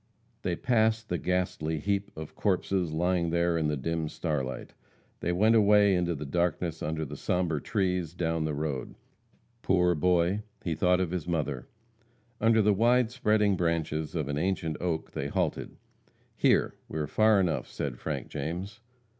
They passed the ghastly heap of corpses, lying there in the dim starlight. They went away, into the darkness under the sombre trees, down the road. Poor boy, he thought of his mother. Under the wide spreading branches of an ancient oak they halted. "Here! we are far enough," said Frank James.